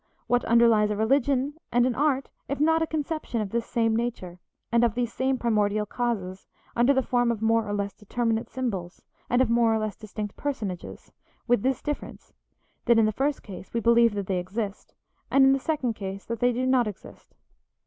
What underlies a religion and an art if not a conception of this same nature, and of these same primordial causes, under the form of more or less determinate symbols, and of more or less distinct personages, with this difference, that in the first case we believe that they exist, and in the second case that they do not exist.